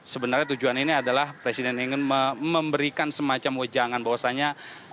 sebenarnya tujuan ini adalah presiden ingin memberikan semacam wejangan bahwasannya